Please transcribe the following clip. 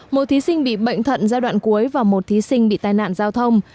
một thí sinh bị bệnh thận giai đoạn cuối và một thí sinh bị tai nạn giao thông